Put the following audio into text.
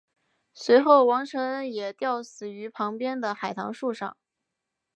随后王承恩也吊死于旁边的海棠树上。